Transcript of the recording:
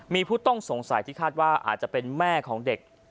มีผู้ต้องสงสัยที่คาดว่าอาจจะเป็นแม่ของเด็ก